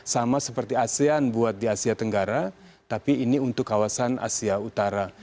sama seperti asean buat di asia tenggara tapi ini untuk kawasan asia utara